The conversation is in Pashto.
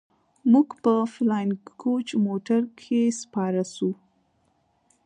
موږ په فلاينګ کوچ موټر کښې سپاره سو.